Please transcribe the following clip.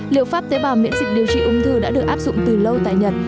liệu pháp tế bào miễn dịch điều trị ung thư đã được áp dụng từ lâu tại nhật